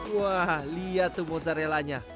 wah lihat tuh mozarellanya